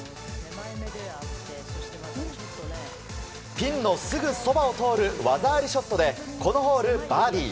ピンのすぐそばを通る技ありショットでこのホール、バーディー。